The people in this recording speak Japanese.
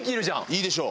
いいでしょ。